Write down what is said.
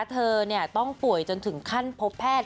เธอต้องป่วยจนถึงขั้นพบแพทย์